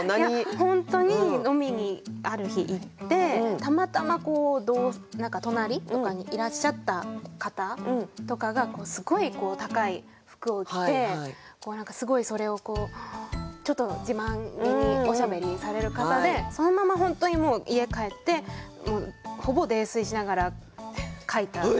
本当に飲みにある日行ってたまたま隣とかにいらっしゃった方とかがすごい高い服を着てすごいそれをこうちょっと自慢気におしゃべりされる方でそのまま本当に家帰ってほぼ泥酔しながら書いた感じで。